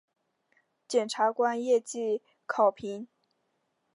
检察官业绩考评